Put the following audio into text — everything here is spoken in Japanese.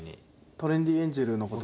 トレンディエンジェルの事は。